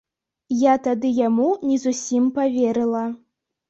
Я тады яму не зусім паверыла.